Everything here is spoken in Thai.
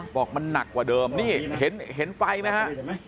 บอกมันหนักกว่าเดิมนี่เห็นไฟไหมฮะ